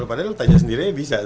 padahal lo tanya sendirianya bisa